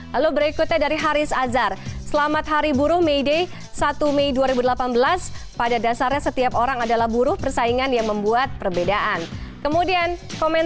lalu berikutnya dari haris azhar selamat hari buruh may day satu mei dua ribu delapan belas pada dasarnya setiap orang adalah buruh persaingan yang membuat perbedaan